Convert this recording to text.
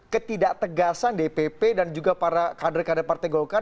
ketidak tegasan dpp dan juga para kader kader partai golkar